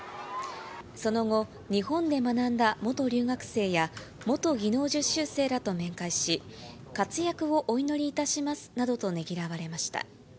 その後、日本で学んだ元留学生や元技能実習生らと面会し、活躍をお祈りいたしますなどとねぎらわれました。